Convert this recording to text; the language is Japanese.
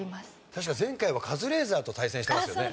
確か前回はカズレーザーと対戦したんですよね。